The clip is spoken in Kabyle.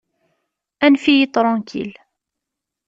Anef-iyi ṭṛankil!